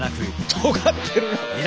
とがってるな！